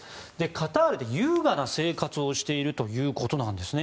カタールで優雅な生活をしているということなんですね。